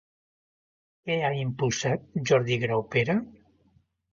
Què ha impulsat Jordi Graupera?